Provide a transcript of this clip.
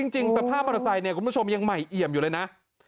สภาพมอเตอร์ไซค์เนี่ยคุณผู้ชมยังใหม่เอี่ยมอยู่เลยนะ